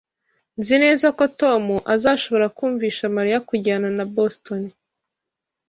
Nzi neza ko Tom azashobora kumvisha Mariya kujyana na Boston